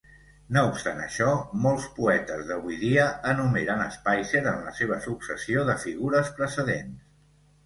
No obstant això, molts poetes d'avui dia enumeren Spicer en la seva successió de figures precedents.